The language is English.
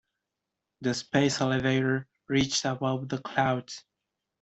The space elevator reached above the clouds.